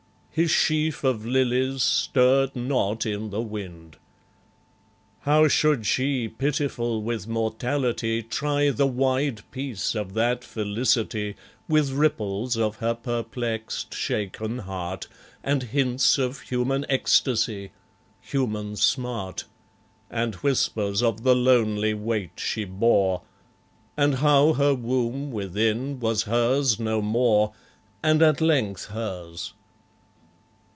His sheaf of lilies stirred not in the wind. How should she, pitiful with mortality, Try the wide peace of that felicity With ripples of her perplexed shaken heart, And hints of human ecstasy, human smart, And whispers of the lonely weight she bore, And how her womb within was hers no more And at length hers?